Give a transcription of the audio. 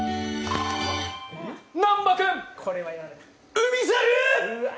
「海猿」！